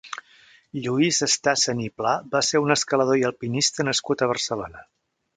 Lluís Estasen i Pla va ser un escalador i alpinista nascut a Barcelona.